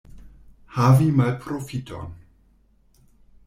Havi malprofiton.